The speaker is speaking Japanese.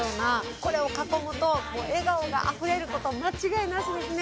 これを囲むともう笑顔があふれること間違いなしですね。